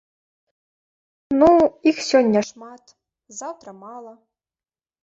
Ну, іх сёння шмат, заўтра мала.